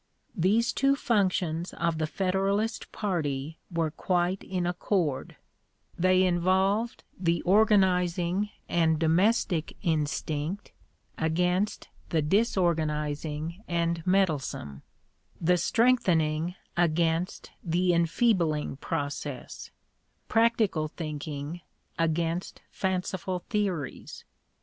These two functions of the Federalist party were quite in accord; they involved the organizing and domestic instinct against the disorganizing and meddlesome; the strengthening against the enfeebling process; practical thinking against fanciful theories.